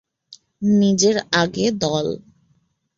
নিজের আগে দল!